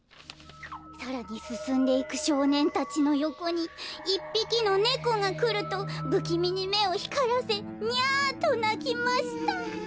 「さらに進んでいく少年たちのよこにいっぴきのねこが来ると不気味にめをひからせ『ニャ』となきました」。